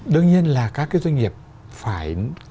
đương nhiên là các doanh nghiệp phải